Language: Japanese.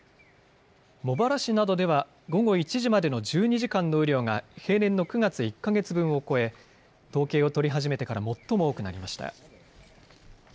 茂原市などでは午後１時までの１２時間の雨量が平年の９月１か月分を超え統計を取り始めてから最も多くなりました。